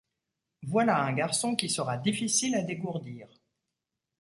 Voilà un garçon qui sera difficile à dégourdir.